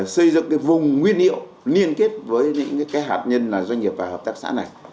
xây dựng vùng nguyên liệu liên kết với những hạt nhân doanh nghiệp và hợp tác xã này